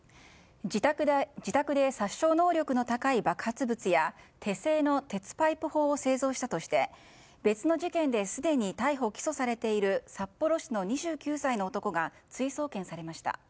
自宅で殺傷能力の高い爆発物や手製の鉄パイプ砲を製造したとして別の事件ですでに逮捕・起訴されている札幌市の２９歳の男が追送検されました。